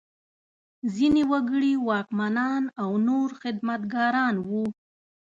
ځینې وګړي واکمنان او نور خدمتګاران وو.